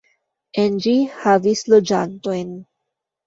En ĝi havis loĝantojn.